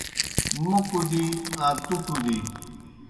موں کُدی آ تُوْ کُدی۔